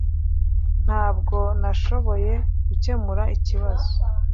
Ntabwo nashoboye gukemura ikibazo